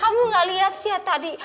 kamu nggak liat sih ya tadi